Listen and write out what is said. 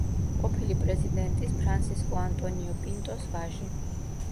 ყოფილი პრეზიდენტის ფრანსისკო ანტონიო პინტოს ვაჟი.